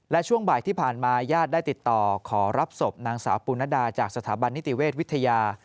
และช่วงบ่ายที่ผ่านมาญาติได้ติดต่อขอรับศพนางสาวปุณดาจากสถาบันนิติเวชวิทยา